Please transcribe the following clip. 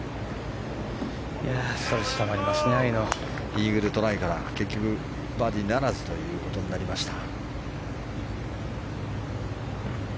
イーグルトライから結局バーディーならずということになりました。